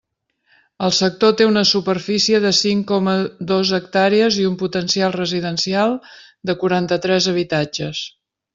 El sector té una superfície de cinc coma dos hectàrees i un potencial residencial de quaranta-tres habitatges.